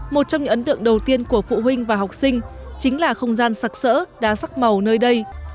một trong những ấn tượng đầu tiên của phụ huynh và học sinh chính là không gian sạc sỡ đa sắc màu nơi đây